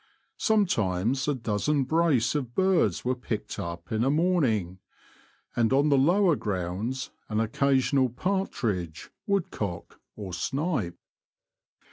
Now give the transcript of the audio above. Sometimes a dozen brace of birds were picked up in a morning ; and, on the lower grounds, an occasional partridge, wood cock, or snipe.